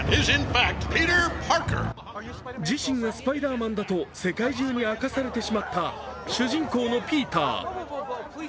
自身がスパイダーマンだと世界中に明かされてしまった主人公のピーター。